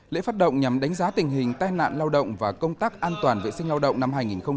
lễ phát động nhằm đánh giá tình hình tai nạn lao động và công tác an toàn vệ sinh lao động năm hai nghìn hai mươi